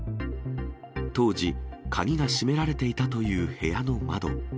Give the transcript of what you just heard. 当時、鍵が閉められていたという部屋の窓。